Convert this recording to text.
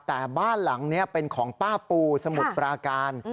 แต่บ้านหลังนี้เป็นของป้าปูสมุทรปราการ